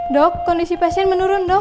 dok kondisi pasien menurun dok